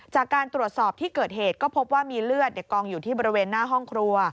จากการตรวจสอบที่เกิดเหตุก็พบว่ามีเลือดกองอยู่ที่บริเวณหน้าห้องครัว